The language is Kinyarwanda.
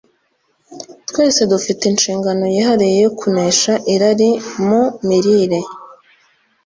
twese dufite inshingano yihariye yo kunesha irari mu mirire